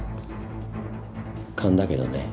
勘だけどね。